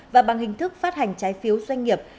và bằng hình thức phát hành trái phiếu doanh nghiệp